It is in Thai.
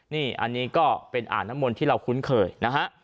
นี่อันนี้ก็เป็นอ่างน้ำมนต์ที่เราคุ้นเคยนะฮะ